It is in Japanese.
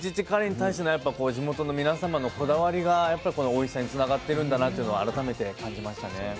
カレイに対しての地元の皆様のこだわりがこのおいしさにつながってるんだなっていうのを改めて感じましたね。